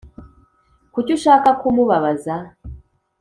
kuki ushaka kumubabaza